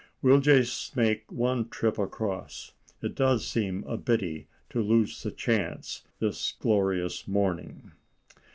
"We'll just make one trip across. It does seem a pity to lose the chance this glorious morning."